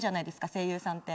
声優さんって。